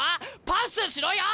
パスしろよ！